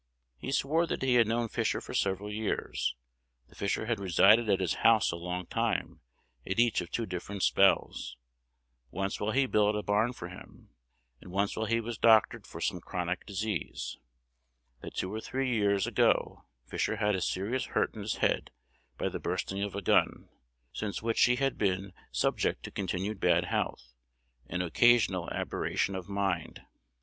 He swore that he had known Fisher for several years; that Fisher had resided at his house a long time at each of two different spells, once while he built a barn for him, and once while he was doctored for some chronic disease; that two or three years ago Fisher had a serious hurt in his head by the bursting of a gun, since which he had been subject to continued bad health and occasional aberration of mind.